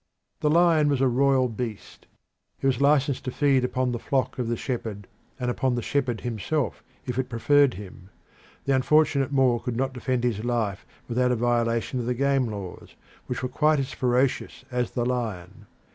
The lion was a royal beast; it was licensed to feed upon the flock of the shepherds, and upon the shepherd himself if it preferred him. The unfortunate Moor could not defend his life without a violation of the game laws, which were quite as ferocious as the lion.